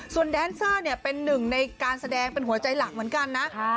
ส่วนแดนเซอร์เนี่ยเป็นหนึ่งในการแสดงเป็นหัวใจหลักเหมือนกันนะ